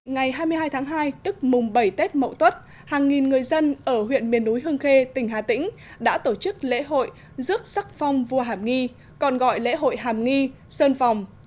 ngày hai mươi hai tháng hai tức mùng bảy tết mậu tuất hàng nghìn người dân ở huyện miền núi hương khê tỉnh hà tĩnh đã tổ chức lễ hội rước sắc phong vua hàm nghi còn gọi lễ hội hàm nghi sơn phòng